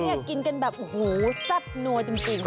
กินกันแบบโอ้โหแซ่บนัวจริง